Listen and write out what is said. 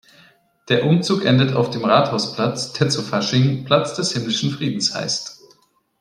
Der Umzug endet auf dem Rathausplatz, der zu Fasching "Platz des himmlischen Friedens" heißt.